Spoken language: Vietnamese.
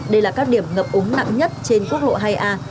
đây là các điểm ngập úng nặng nhất trên quốc lộ hai a